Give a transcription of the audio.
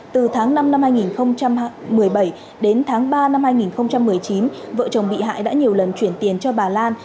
từ tháng năm năm hai nghìn một mươi bảy đến tháng ba năm hai nghìn một mươi chín vợ chồng bị hại đã nhiều lần chuyển tiền cho bà lan